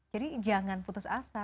jadi jangan putus asa